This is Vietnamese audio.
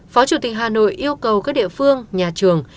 phó chủ tịch hà nội yêu cầu các địa phương nhà trường